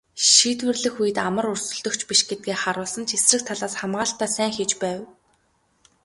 Шийдвэрлэх үед амар өрсөлдөгч биш гэдгээ харуулсан ч эсрэг талаас хамгаалалтаа сайн хийж байв.